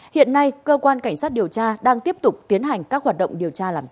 hiện nay cơ quan cảnh sát điều tra đang tiếp tục tiến hành các hoạt động điều tra làm rõ